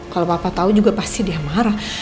kalo papa tau juga pasti dia marah